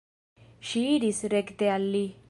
Ŝi iris rekte al li.